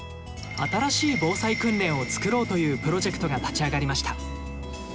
新しい防災訓練を作ろうというプロジェクトが立ち上がりました。